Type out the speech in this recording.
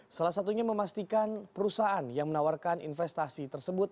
salah satunya memastikan perusahaan yang menawarkan investasi tersebut